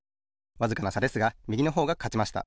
わずかなさですがみぎのほうがかちました。